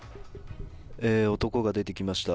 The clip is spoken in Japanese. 男が出てきました。